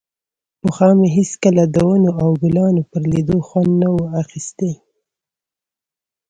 پخوا مې هېڅکله د ونو او ګلانو پر ليدو خوند نه و اخيستى.